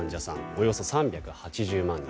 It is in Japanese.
およそ３８０万人。